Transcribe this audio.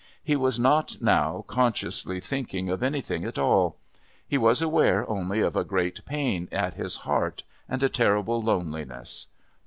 He was not, now, consciously thinking of anything at all; he was aware only of a great pain at his heart and a terrible loneliness.